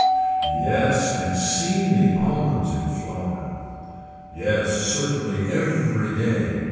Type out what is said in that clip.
Yes and seen the almonds in flower. Yes certainly every day.